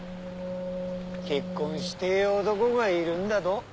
結婚してえ男がいるんだど。